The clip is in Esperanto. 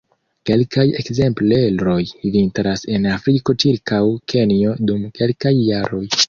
Kelkaj ekzempleroj vintras en Afriko ĉirkaŭ Kenjo dum kelkaj jaroj.